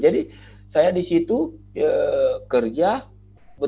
jadi saya di situ kerja